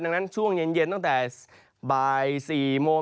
ดังนั้นช่วงเย็นตั้งแต่บ่าย๔โมง